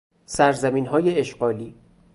سرزمینهای اشغالی